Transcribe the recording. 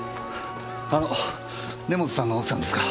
あの根元さんの奥さんですか？